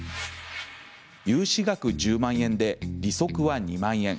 融資額１０万円で利息は２万円。